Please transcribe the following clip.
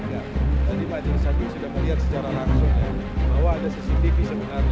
jadi majelis hakim sudah melihat secara langsung bahwa ada cctv sebenarnya